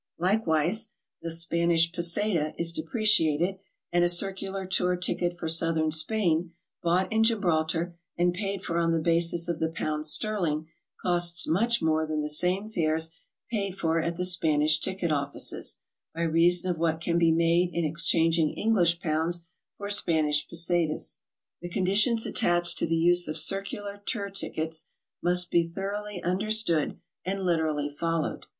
Like wise .the Spanish peseta is depreciated, and a circular tour ticket for Southern Spain, bought in Gibraltar and paid for on the basis of the pound sterling, costs much more than the same fares paid for at the Spanish ticket offices, by reason of what can be made in exchanging English pounds for Spanish pesetas. The conditions attached to the use of circular tour ticketvS must be thoroughly understood and literally followed.